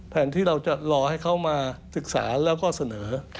ที่เราจะรอให้เขามาศึกษาแล้วก็เสนอ